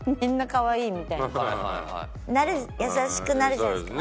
なんか優しくなるじゃないですか。